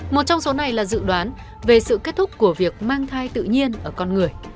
một trong số này là dự đoán về sự kết thúc của việc mang thai tự nhiên ở con người